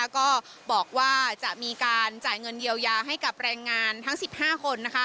ก็บอกว่าจะมีการจ่ายเงินเยียวยาให้กับแรงงานทั้ง๑๕คน